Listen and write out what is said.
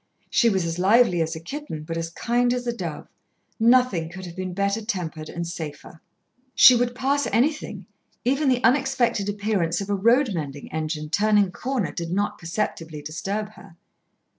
She was as lively as a kitten, but as kind as a dove. Nothing could have been better tempered and safer. She would pass anything, even the unexpected appearance of a road mending engine turning a corner did not perceptibly disturb her.